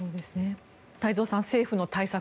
太蔵さん、政府の対策